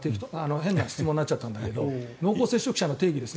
変な質問になっちゃったんですが濃厚接触者の定義。